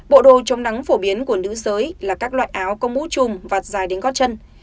bộ đồ chống nắng phổ biến của nước giới là các loại áo công mũ chùm vạt dài đến gót chân